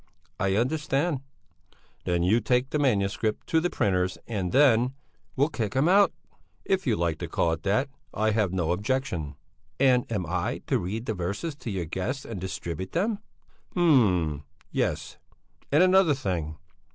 "I understand." "Then you take the manuscript to the printers' and then...." "We'll kick him out!" "If you like to call it that, I have no objection." "And am I to read the verses to your guests and distribute them?" "Hm yes! And another thing!